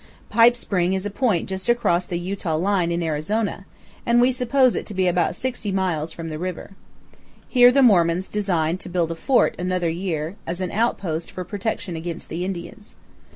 Pipe Spring is a point just across the Utah line in Arizona, and we suppose it to be about 60 miles from the river. Here powell canyons 186.jpg MUKUN'TUWEAP CANYON. the Mormons design to build a fort another year, as an outpost for protection against the Indians.